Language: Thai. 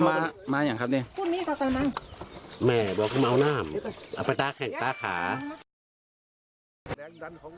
แม่มาอย่างนี้แม่เดี๋ยวเพิ่มเอานามเอาไปได้ละดูด้านขากา